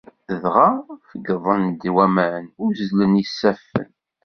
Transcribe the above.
Dɣa feyyḍen-d waman, uzzlen yisaffen.